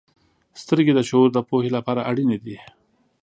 • سترګې د شعور د پوهې لپاره اړینې دي.